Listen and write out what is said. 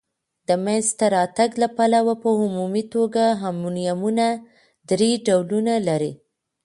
د مینځ ته راتګ د پلوه په عمومي توګه امونیمونه درې ډولونه لري.